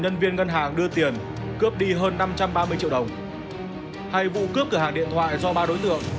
nhân viên ngân hàng đưa tiền cướp đi hơn năm trăm ba mươi triệu đồng hay vụ cướp cửa hàng điện thoại do ba đối tượng